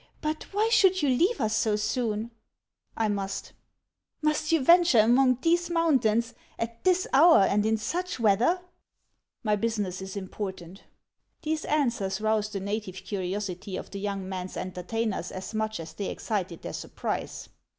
But why should you leave us so soon ?"" I must." " Must you venture among these mountains at this hour and in such weather ?"" My business is important." These answers roused the native curiosity of the young man's entertainers as much as they excited their surprise.